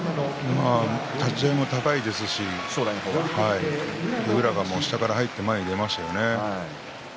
立ち合いも高いですし正代の方がですね下から入って前に出ていきましたよね。